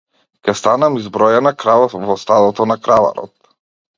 Ќе станам избројана крава во стадото на краварот.